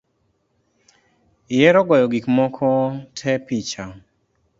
Ihero goyo gik moko te picha